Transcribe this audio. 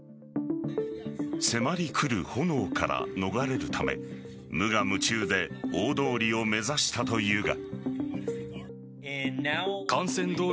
迫り来る炎から逃れるため無我夢中で大通りを目指したというが。